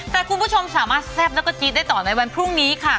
แต่คุณผู้ชมสามารถแซ่บแล้วก็จี๊ดได้ต่อในวันพรุ่งนี้ค่ะ